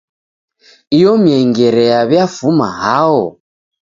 Iyo miengere yaw'iafuma hao?